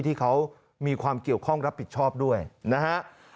ที่เขามีความเกี่ยวข้องรับผิดชอบด้วยนะฮะ